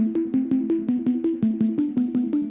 ใครอ่ะ